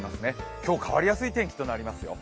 今日、変わりやすい天気となりますよ。